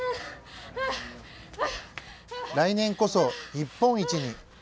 来年こそ日本一に。